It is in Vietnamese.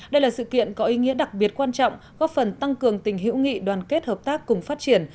đây là sự kiện có ý nghĩa đặc biệt quan trọng góp phần tăng cường tình hữu nghị đoàn kết hợp tác cùng phát triển